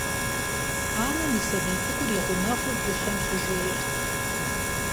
Анэм и сабий цӀыкӀур и гъунэгъуу гущэм щыжейрт.